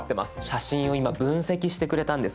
写真を今分析してくれたんです。